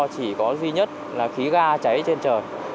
chỉ có duy nhất là khí ga cháy trên trời